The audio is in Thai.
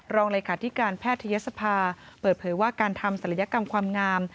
รองเลขาธิการแพทยศภาเปิดเผยว่าการทำศัลยกรรมความงาม